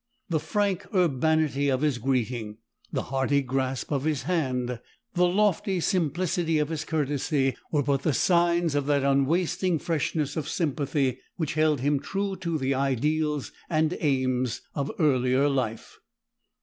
The frank urbanity of his greeting, the hearty grasp of his hand, the lofty simplicity of his courtesy, were but the signs of that unwasting freshness of sympathy which held him true to the ideals and aims of earlier life.